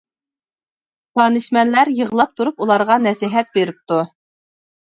دانىشمەنلەر يىغلاپ تۇرۇپ ئۇلارغا نەسىھەت بېرىپتۇ.